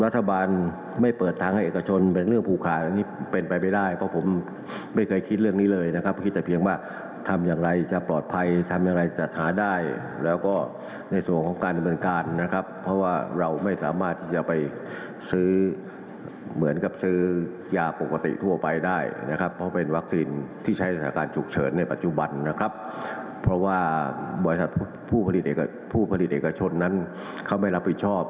ต้องใช้สถานการณ์จุกเฉินในปัจจุบันเพราะว่าบริษัทผู้ผลิตเอกชนเขาไม่รับผิดชอบ